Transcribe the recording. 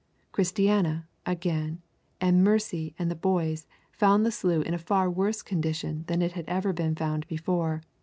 Christiana, again, and Mercy and the boys found the slough in a far worse condition than it had ever been found before.